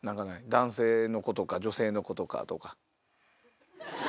男性のことか女性のことか。